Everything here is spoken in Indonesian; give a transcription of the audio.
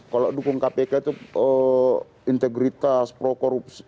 kalau dukung kpk itu integritas pro korupsi